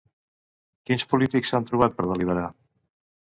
Quins polítics s'han trobat per deliberar?